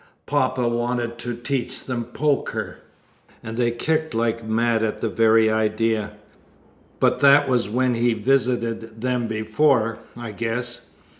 Poppa wanted to teach them poker, and they kicked like mad at the very idea; but that was when he visited them before, I guess."